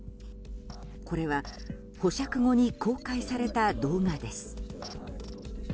これは保釈後に公開された動画です。